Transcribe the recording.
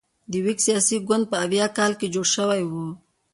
د ویګ سیاسي ګوند په اویا کال کې جوړ شوی و.